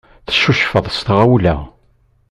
Teccucfeḍ s tɣawla.